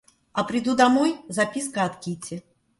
А приду домой, записка от Кити.